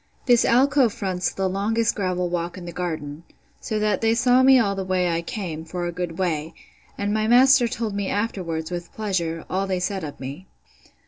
This alcove fronts the longest gravel walk in the garden, so that they saw me all the way I came, for a good way: and my master told me afterwards, with pleasure, all they said of me.